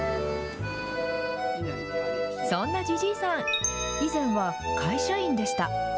そんなｊｉｊｉｉさん、以前は会社員でした。